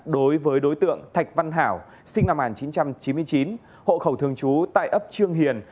đối với đối tượng thạch văn hảo sinh năm một nghìn chín trăm chín mươi chín hộ khẩu thường trú tại ấp trương hiền